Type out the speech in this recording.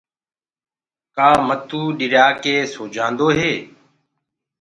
ڪآ ڀٽوُ ڏريآ ڪي سوجآندو هي؟